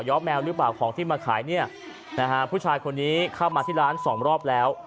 ้อแมวหรือเปล่าของที่มาขายเนี่ยนะฮะผู้ชายคนนี้เข้ามาที่ร้านสองรอบแล้ว